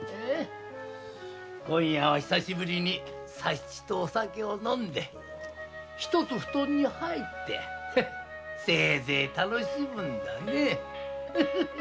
今夜は久しぶりに佐七とお酒を飲んで一つ布団に入ってせいぜい楽しむんだねぇ。